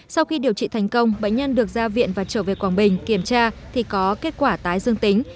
sau khi điều trị thành công bệnh nhân được ra viện và trở về quảng bình kiểm tra thì có kết quả tái dương tính